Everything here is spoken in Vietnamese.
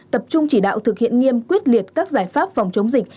tập trung chỉ đạo thực hiện nghiêm quyết liệt các giải pháp phòng chống dịch